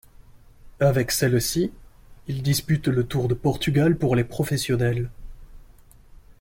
Avec celle-ci, il dispute le Tour de Portugal pour les professionnels.